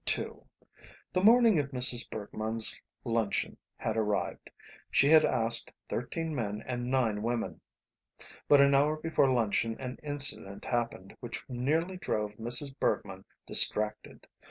II The morning of Mrs. Bergmann's luncheon had arrived. She had asked thirteen men and nine women. But an hour before luncheon an incident happened which nearly drove Mrs. Bergmann distracted.